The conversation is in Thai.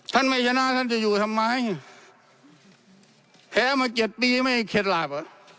ท่านไม่ชนะท่านจะอยู่ทำไมแพ้มาเจ็ดปีไม่เคล็ดหลับ